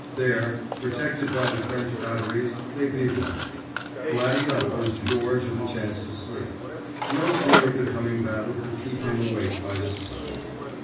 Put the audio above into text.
There, protected by the French batteries, they bivouacked. Glad enough was Georges of a chance to sleep. No fear of the coming battle could keep him awake by this time.